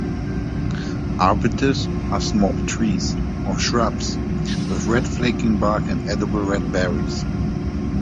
"Arbutus" are small trees or shrubs with red flaking bark and edible red berries.